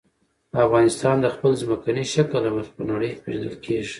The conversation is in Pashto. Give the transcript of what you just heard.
افغانستان د خپل ځمکني شکل له مخې په نړۍ کې پېژندل کېږي.